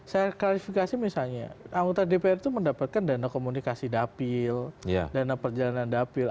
saya klarifikasi misalnya anggota dpr itu mendapatkan dana komunikasi dapil dana perjalanan dapil